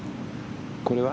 これは？